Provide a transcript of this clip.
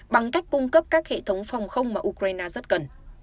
bằng cách cung cấp các hệ thống phòng không mà ukraine rất cần